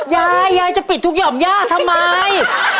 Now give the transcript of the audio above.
ยายจะปิดทุกหย่อมยากทำไม